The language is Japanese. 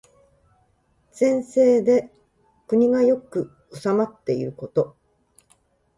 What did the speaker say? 善政で国が良く治まっていること。